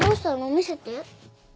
見せて。